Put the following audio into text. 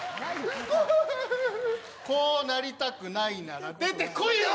こうなりたくないなら出てこいよ！